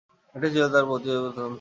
এটিই ছিল তার পরিচালিত প্রথম ছবি।